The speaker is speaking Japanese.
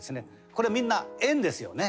これはみんな縁ですよね。